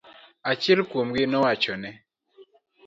Achiel kuomgi nowachone.